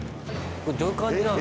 これ、どういう感じなの？